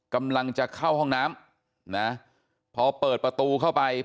กำลังจะเข้าห้องน้ำนะพอเปิดประตูเข้าไป